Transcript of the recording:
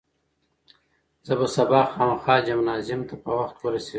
زه به سبا خامخا جمنازیوم ته په وخت ورسېږم.